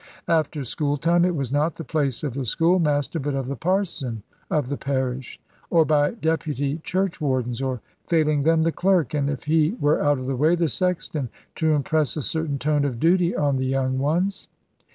After school time it was not the place of the schoolmaster, but of the parson of the parish, or by deputy churchwardens, or failing them the clerk, and (if he were out of the way) the sexton, to impress a certain tone of duty on the young ones.